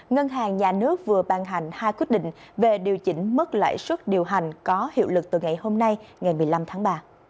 ngân hàng nhà nước vừa ban hành hai quyết định về điều chỉnh mức lãi suất điều hành có hiệu lực từ ngày hôm nay ngày một mươi năm tháng ba